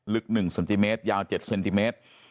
ลึก๑เซนติเมตรยาว๗เซนติเมตร